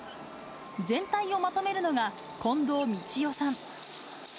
全体をまとめるのが、近藤倫代さん。